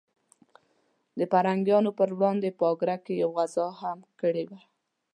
د پرنګیانو پر وړاندې په اګره کې یوه غزا هم کړې وه.